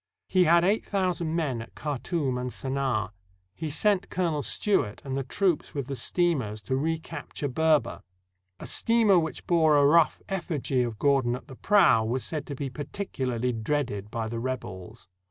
He had eight thousand men at Khartoum and Senaar. He sent Colo nel Stewart and the troops with the steamers to recapture 246 THE DEATH OF GENERAL GORDON Berber. A steamer which bore a rough effigy of Gordon at the prow was said to be particularly dreaded by the rqbels.